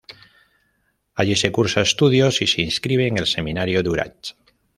Allí se cursa estudios y se inscribe en el Seminario de Urach.